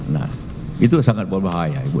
nah itu sangat berbahaya ibu